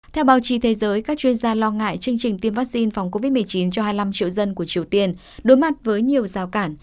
theo báo chí thế giới các chuyên gia lo ngại chương trình tiêm vaccine phòng covid một mươi chín cho hai mươi năm triệu dân của triều tiên đối mặt với nhiều rào cản